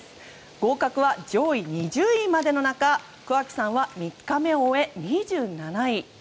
合格は上位２０位までの中桑木さんは３日目を終え２７位。